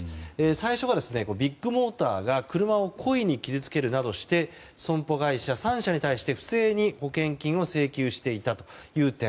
最初はビッグモーターが車を故意に傷つけるなどして損保会社３社に対して不正に保険金を請求していたという点。